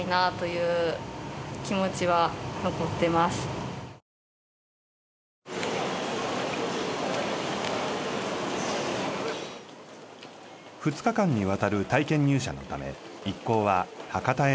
２日間にわたる体験入社のため一行は博多へと到着。